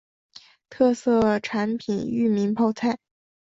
特色产品裕民泡菜。